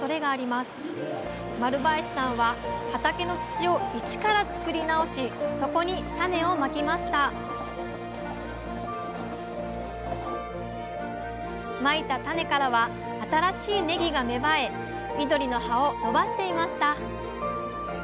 丸林さんは畑の土を一から作り直しそこに種をまきましたまいた種からは新しいねぎが芽生え緑の葉を伸ばしていました。